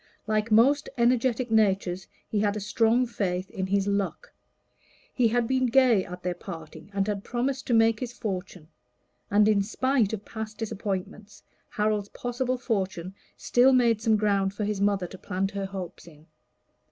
Like most energetic natures, he had a strong faith in his luck; he had been gay at their parting, and had promised to make his fortune; and in spite of past disappointments, Harold's possible fortune still made some ground for his mother to plant her hopes in.